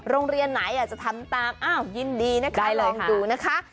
โรงเรียนไหนจะทำตามอ้าวยินดีนะคะลองดูนะคะ